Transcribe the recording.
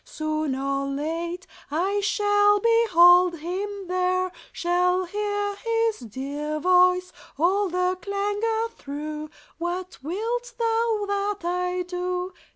Soon or late I shall behold Him there; Shall hear His dear voice, all the clangor through; "What wilt thou that I do?"